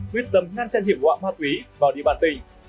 quyết tâm ngăn chăn hiểm họa ma túy vào địa bàn tỉnh